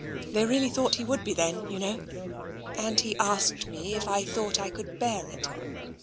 They really thought he would be, then, you know. And he asked me if I thought I could bear it.